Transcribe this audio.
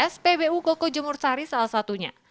spbu koko jemur sari salah satunya